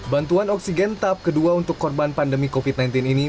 bantuan oksigen tahap kedua untuk korban pandemi covid sembilan belas ini